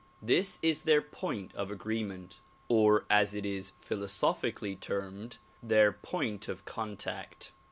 This is their point of agree ment or as it is philosophically termed, their point of contact.